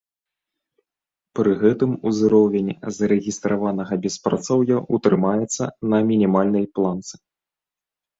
Пры гэтым узровень зарэгістраванага беспрацоўя ў трымаецца на мінімальнай планцы.